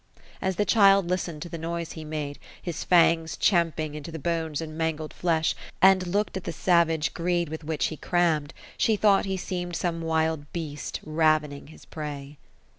As the child listened' to the noise he made, his fangs champing into the bones and mangled flesh, and looked at the savage greed with which he crammed, she thought he seemed some wild beast, ravening his prey.